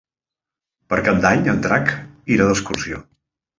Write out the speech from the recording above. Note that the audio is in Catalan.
Per Cap d'Any en Drac irà d'excursió.